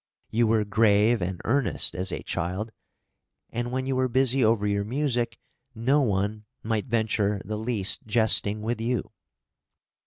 You were grave and earnest as a child; and when you were busy over your music, no one might venture the least jesting with you.